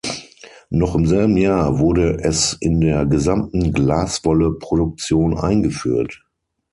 Noch im selben Jahr wurde es in der gesamten Glaswolle-Produktion eingeführt.